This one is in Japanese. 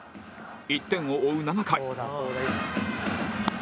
１点を追う７回